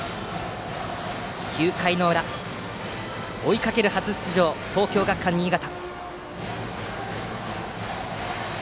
９回の裏、追いかける初出場の東京学館新潟。